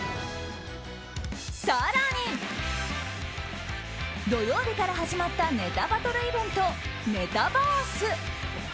更に、土曜日から始まったネタバトルイベント、ネタバース。